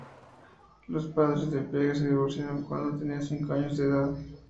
Los padres de Page se divorciaron cuando tenía cinco años de edad.